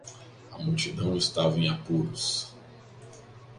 A multidão estava em apuros.